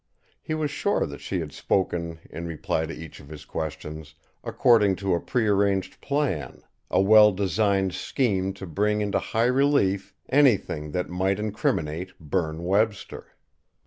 He was sure that she had spoken, in reply to each of his questions, according to a prearranged plan, a well designed scheme to bring into high relief anything that might incriminate Berne Webster.